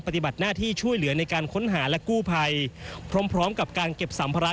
ปฏิบัติหน้าที่ช่วยเหลือในการค้นหาและกู้ภัยพร้อมกับการเก็บสัมภาระ